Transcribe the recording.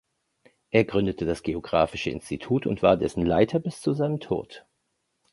Er gründete das Geographische Institut und war dessen Leiter bis zu seinem Tod.